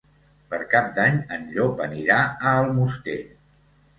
Per Cap d'Any en Llop anirà a Almoster.